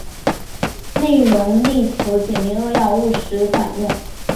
内容力求简明扼要、务实管用